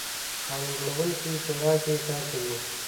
قانون جوړوونکې شورا کې کار کوي.